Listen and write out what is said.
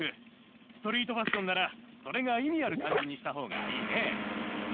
ストリートファッションならそれが意味ある感じにしたほうがいいね。